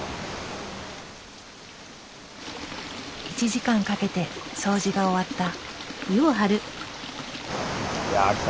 １時間かけて掃除が終わった。